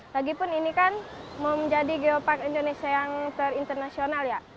lagipun ini kan mau menjadi geopark indonesia yang ter internasional ya